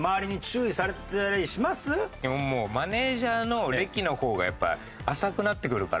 もうマネージャーの歴の方がやっぱ浅くなってくるから。